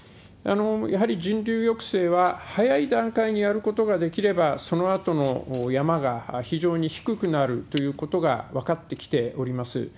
やはり人流抑制は、早い段階にやることができれば、そのあとの山が非常に低くなるということが分かってきております。